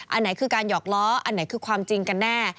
อันไหนคือการหอกล้ออันไหนคือความจริงกันแน่